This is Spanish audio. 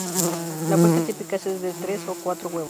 La puesta típica es de tres o cuatro huevos.